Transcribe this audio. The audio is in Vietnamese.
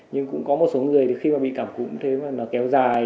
nhưng cũng có một số người thì khi mà bị cảm cúm thế mà nó kéo dài